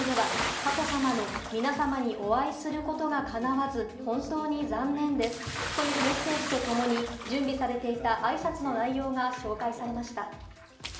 出席予定だった大会の開会式では、佳子さまの、皆さまにお会いすることがかなわず、本当に残念ですというメッセージとともに、準備されていたあいさつの内容が紹介されました。